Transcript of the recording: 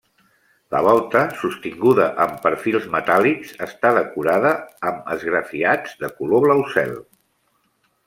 La volta, sostinguda amb perfils metàl·lics, està decorada amb esgrafiats de color blau cel.